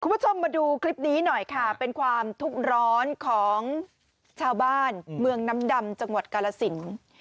คุณผู้ชมมาดูคลิปนี้หน่อยค่ะเป็นความทุกข์ร้อนของชาวบ้านเมืองน้ำดำจังหวัดกาลสิน